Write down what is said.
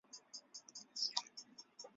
万历七年己卯科应天乡试第一名。